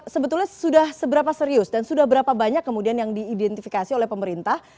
sebetulnya sudah seberapa serius dan sudah berapa banyak kemudian yang diidentifikasi oleh pemerintah